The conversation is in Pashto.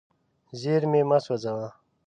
زیرمې مه سوځوه.